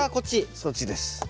そっちです。